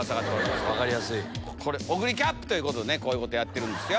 オグリキャップということでこういうことやってるんですよ。